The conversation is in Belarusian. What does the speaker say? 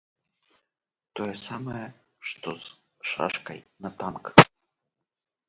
Тое самае, што з шашкай на танк.